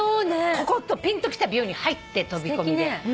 ここ！とピンときた美容院に入って飛び込みで。